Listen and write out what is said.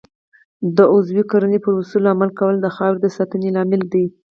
د عضوي کرنې پر اصولو عمل کول د خاورې د ساتنې لامل دی.